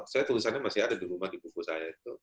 saya tulisannya masih ada di rumah buku saya